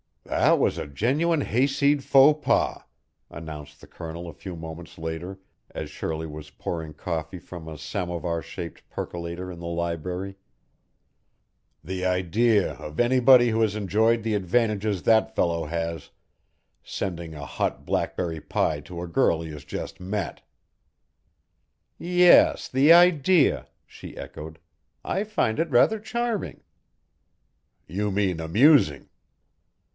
"That was a genuine hayseed faux pas," announced the Colonel a few moments later as Shirley was pouring coffee from a samovar shaped percolator in the library. "The idea of anybody who has enjoyed the advantages that fellow has, sending a hot blackberry pie to a girl he has just met!" "Yes, the idea!" she echoed. "I find it rather charming." "You mean amusing."